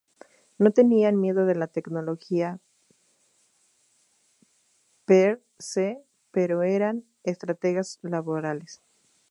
No tenían miedo de la tecnología per se, pero eran "estrategas laborales".